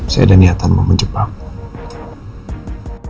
saya ada niatan mau menjebakmu